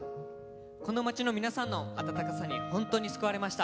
この街の皆さんの温かさに救われました。